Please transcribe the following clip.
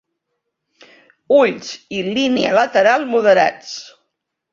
Ulls i línia lateral moderats.